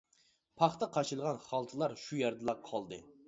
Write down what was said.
پاختا قاچىلىغان خالتىلار شۇ يەردىلا قالدى.